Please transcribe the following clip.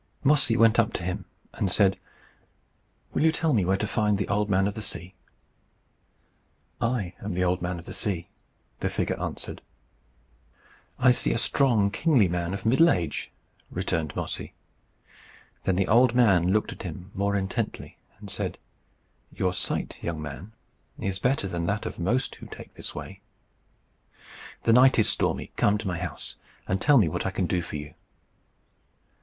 Mossy went up to him and said, "Will you tell me where to find the Old Man of the Sea?" "I am the Old Man of the Sea," the figure answered. "I see a strong kingly man of middle age," returned Mossy. Then the old man looked at him more intently, and said, "Your sight, young man, is better than that of most who take this way. The night is stormy: come to my house and tell me what I can do for you."